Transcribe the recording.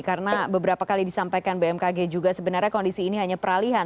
karena beberapa kali disampaikan bmkg juga sebenarnya kondisi ini hanya peralihan